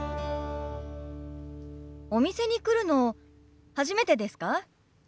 お店に来るの初めてですか？